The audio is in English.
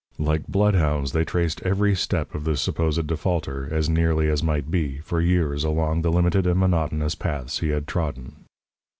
Like bloodhounds they traced every step of the supposed defaulter, as nearly as might be, for years along the limited and monotonous paths he had trodden.